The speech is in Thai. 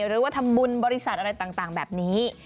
หรือว่าทำบุญบริษัทอะไรต่างแบบนี้